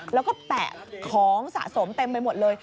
แล้วก็แปะของสะสมเต็มไปหมดเลย